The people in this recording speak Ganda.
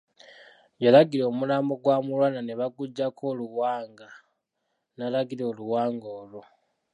Yalagira omulambo gwa Mulwana ne baguggyako oluwanga n'alagira oluwanga olwo.